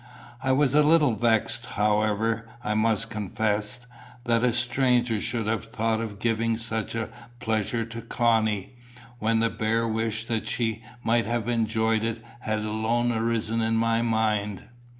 I was a little vexed, however, I must confess, that a stranger should have thought of giving such a pleasure to Connie, when the bare wish that she might have enjoyed it had alone arisen in my mind.